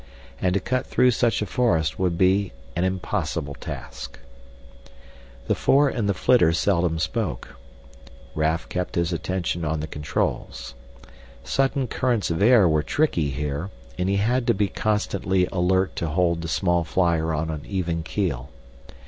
And to cut through such a forest would be an impossible task. The four in the flitter seldom spoke. Raf kept his attention on the controls. Sudden currents of air were tricky here, and he had to be constantly alert to hold the small flyer on an even keel.